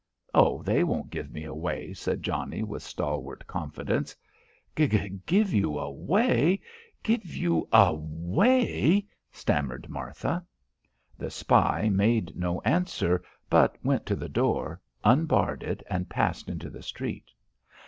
"Oh, they won't give me away," said Johnnie with stalwart confidence. "Gi give you away? Give you a way?" stammered Martha. The spy made no answer but went to the door, unbarred it and passed into the street.